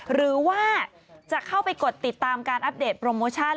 หรือว่าจะเข้าไปกดติดตามการอัปเดตโปรโมชั่น